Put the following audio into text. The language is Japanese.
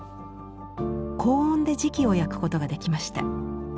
高温で磁器を焼くことができました。